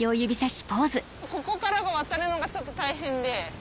ここからが渡るのがちょっと大変で。